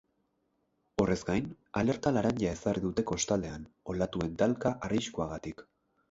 Horrez gain, alerta laranja ezarri dute kostaldean, olatuen talka arriskuagatik.